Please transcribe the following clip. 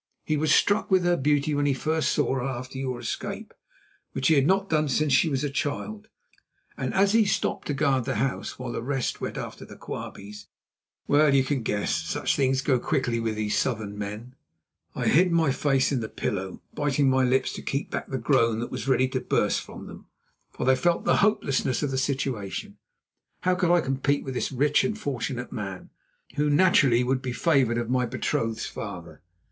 He was struck with her beauty when he first saw her after your escape, which he had not done since she was a child, and as he stopped to guard the house while the rest went after the Quabies—well, you can guess. Such things go quickly with these Southern men." I hid my face in the pillow, biting my lips to keep back the groan that was ready to burst from them, for I felt the hopelessness of the situation. How could I compete with this rich and fortunate man, who naturally would be favoured of my betrothed's father?